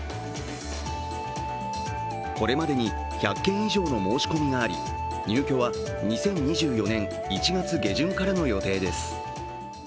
これまでに１００件以上の申し込みがあり、入居は２０２４年１月下旬からの予定です。